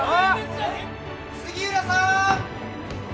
杉浦さん！